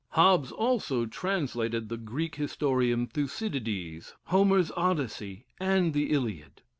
Hobbes also translated the Greek historian, Thucydides, Homer's Odyssey, and the Illiad.